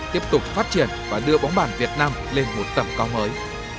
tiếp tục phát triển và đưa bóng bàn việt nam lên một tầm cao mới